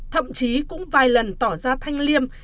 thậm chí cũng vài lần tỏ ra thanh liêm